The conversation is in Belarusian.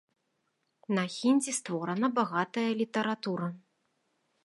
На хіндзі створана багатая літаратура.